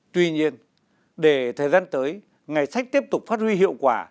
tuy nhiên để thời gian tới ngày sách tiếp tục phát huy hiệu quả